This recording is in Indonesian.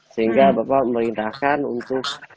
sehingga bapak memerintahkan untuk